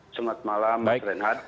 selamat malam mas renat